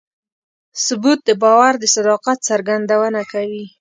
ثبوت د باور د صداقت څرګندونه کوي.